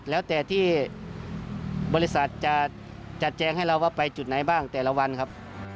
แล้วแต่ที่บริษัทจะจัดแจงให้เราว่าไปจุดไหนบ้างแต่ละวันครับ